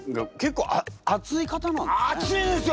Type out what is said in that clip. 熱いですよ